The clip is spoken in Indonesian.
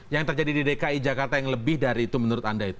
yang terjadi di dki jakarta yang lebih dari itu menurut anda itu